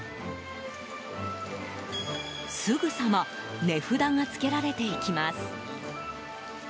すぐさま値札がつけられていきます。